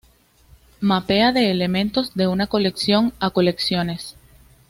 Mapea de elementos de una colección a colecciones.